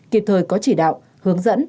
kịp thời có chỉ đạo hướng dẫn